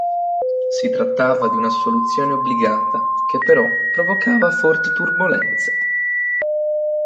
Si trattava di una soluzione obbligata, che però provocava forti turbolenze.